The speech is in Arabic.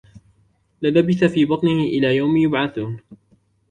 للبث في بطنه إلى يوم يبعثون